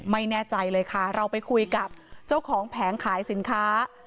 ไม่แน่ใจเลยค่ะเราไปคุยกับเจ้าของแผงขายสินค้า